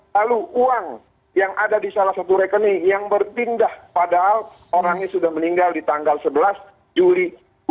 lalu uang yang ada di salah satu rekening yang berpindah padahal orangnya sudah meninggal di tanggal sebelas juli dua ribu dua puluh